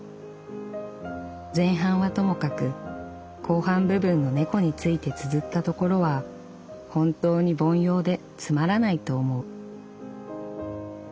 前半はともかく後半部分の猫について綴ったところは本当に凡庸でつまらないと思う」。